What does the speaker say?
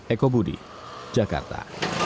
eko budi jakarta